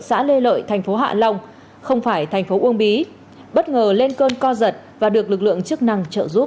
xã lê lợi tp hạ long không phải tp uông bí bất ngờ lên cơn co giật và được lực lượng chức năng trợ giúp